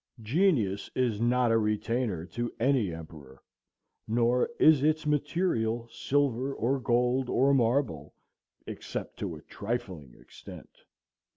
Genius is not a retainer to any emperor, nor is its material silver, or gold, or marble, except to a trifling extent.